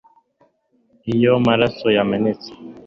iyo maraso yamenetse